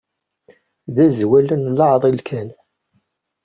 D azwel n leɛḍil kan.